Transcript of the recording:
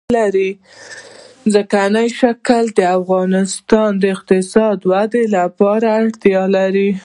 ځمکنی شکل د افغانستان د اقتصادي ودې لپاره ارزښت لري.